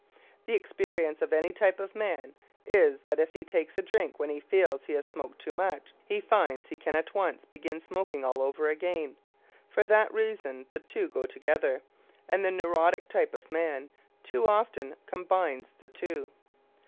The experience of any type of man is that if he takes a drink when he feels he has smoked too much, he finds he can at once begin smoking all over again. For that reason, the two go together, and the neurotic type of man too often combines the two.